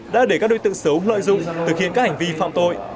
đã để các đối tượng xấu lợi dụng thực hiện các hành vi phạm tội